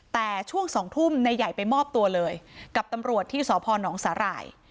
แต่ช่วง๒ทุ่มนายใหญ่ไปมอบตัวเลยกับตำรวจที่สพนสาหร่าย